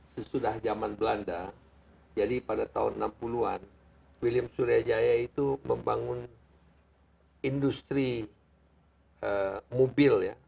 sesudah zaman belanda jadi pada tahun enam puluh an william surya jaya itu membangun industri mobil ya